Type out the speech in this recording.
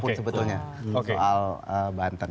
tidak bisa menyatakan apapun sebetulnya soal banten